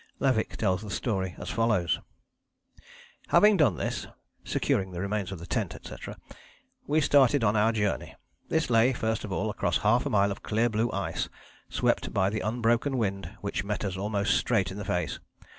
Levick tells the story as follows: "Having done this [securing the remains of the tent, etc.], we started on our journey. This lay, first of all, across half a mile of clear blue ice, swept by the unbroken wind, which met us almost straight in the face.